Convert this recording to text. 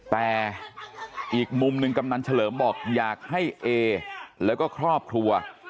แต่อีกมุมหนึ่งกำนันเฉลิมบอกอยากให้เอแล้วก็ครอบครัว